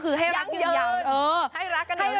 คือให้รักยืนยาวให้รักกันหน่อยแน่น